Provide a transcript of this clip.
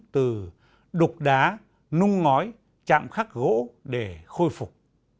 từ đục đá nung ngói chạm khắc gỗ để khôi phục